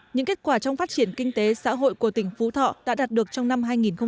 những kết quả trong phát triển kinh tế xã hội của tỉnh phú thọ đã đạt được trong năm hai nghìn một mươi tám